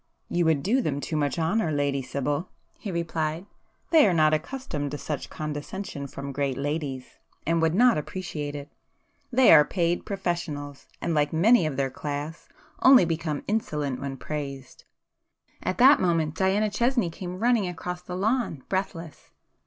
"You would do them too much honour, Lady Sibyl," he replied—"They are not accustomed to such condescension from great ladies and would not appreciate it. They are paid professionals, and, like many of their class, only become insolent when praised." At that moment Diana Chesney came running across the lawn, breathless.